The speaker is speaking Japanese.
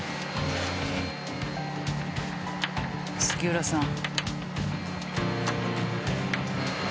杉浦さん。